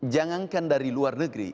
jangankan dari luar negeri